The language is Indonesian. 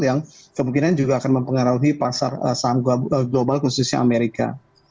yang kemungkinan juga akan mempengaruhi pasar saham global khususnya amerika